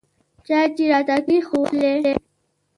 چای یې راته کښېښوولې.